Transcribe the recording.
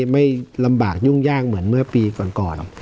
ไม่ลำบากยุ่งยากเหมือนเมื่อปีก่อน